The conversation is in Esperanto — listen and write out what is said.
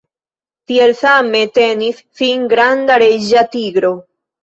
Tiel same tenis sin granda reĝa tigro.